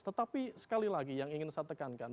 tetapi sekali lagi yang ingin saya tekankan